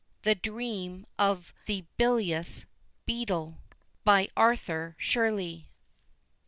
THE DREAM OF THE BILIOUS BEADLE. ARTHUR SHIRLEY.